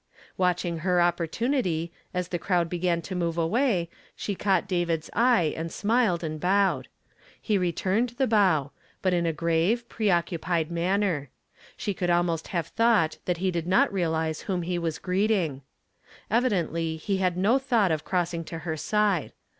Watching her opportunity, as the crowd began to move away she caught David's eye, and smiled and bowed. He returned the bow, but in a grave, preoccupied manner; she could almost have thought that he did not realize whom he was greeting. Evidently he had no thought of cross ing to her side.